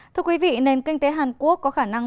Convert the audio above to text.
thưa quý vị nền kinh tế hàn quốc có khả năng